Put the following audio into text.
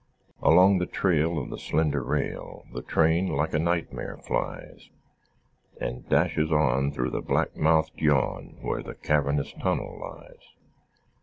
Along the trail Of the slender rail The train, like a nightmare, flies And dashes on Through the black mouthed yawn Where the cavernous tunnel lies.